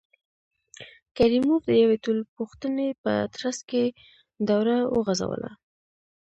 کریموف د یوې ټولپوښتنې په ترڅ کې دوره وغځوله.